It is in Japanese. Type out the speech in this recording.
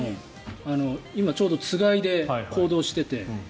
今、ちょうどつがいで行動していて。